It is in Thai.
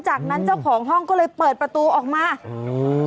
จากนั้นเจ้าของห้องก็เลยเปิดประตูออกมาอืม